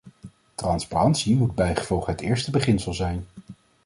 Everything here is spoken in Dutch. Transparantie moet bijgevolg het eerste beginsel zijn.